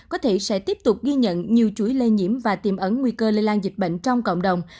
có thể sẽ tiếp tục ghi nhận nhiều chuỗi lây nhiễm và tiềm ấn nguy cơ lây lan dịch bệnh trong cộng đồng